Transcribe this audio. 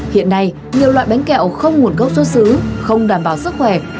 hiện nay nhiều loại bánh kẹo không nguồn gốc xuất xứ không đảm bảo sức khỏe